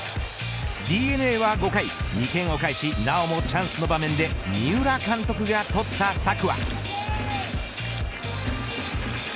ＤｅＮＡは５回、２点を返しなおもチャンスの場面で三浦監督がとった策は。